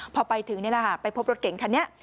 พอไปถึงนี่แหละค่ะไปพบรถเก่งคันนี้